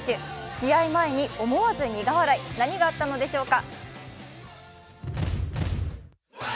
試合前に思わず苦笑い何があったのでしょうか？